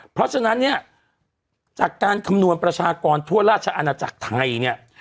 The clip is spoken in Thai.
เพราะฉะนั้นเนี่ยจากการคำนวณประชากรทั่วราชอาณาจักรไทยเนี่ย